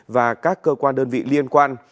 và các cơ quan đơn vị liên quan